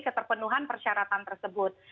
keterpenuhan persyaratan tersebut